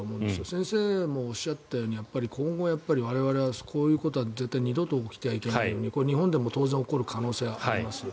先生もおっしゃったように今後、我々はこういうことは絶対二度と起きてはいけない日本でも当然起こる可能性はあります。